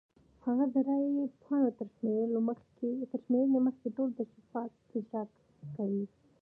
هغه د رای پاڼو تر شمېرنې مخکې ټول تشریفات اجرا کوي.